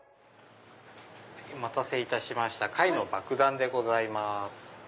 お待たせいたしました貝のばくだんでございます。